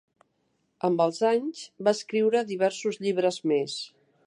Amb els anys, va escriure diversos llibres més.